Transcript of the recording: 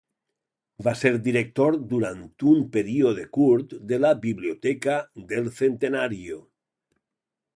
Va ser director durant un període curt de la Biblioteca del Centenario.